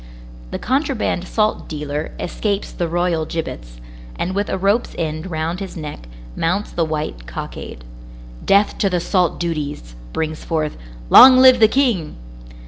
The contraband salt dealer escapes the royal gibbets, and with a rope's end round his neck, mounts the white cockade. "Death to the salt duties," brings forth, "Long live the King!"